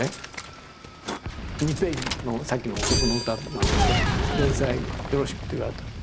２ページのさっきの「おとこの詩」なんですけど「連載よろしく」って言われたの。